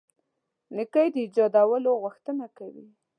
نېکۍ د ایجادولو غوښتنه کوي.